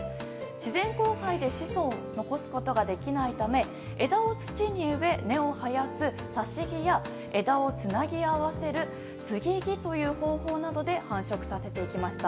自然交配で子孫を残すことができないため枝を土に植え根を生やす挿し木や枝をつなぎ合わせる接ぎ木という方法などで繁殖させていきました。